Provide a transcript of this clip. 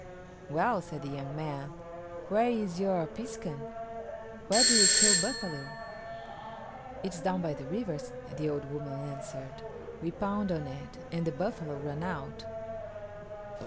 "Well," said the young man, "where is your piskun where do you kill buffalo?" "It is down by the river," the old woman answered. "We pound on it and the buffalo run out."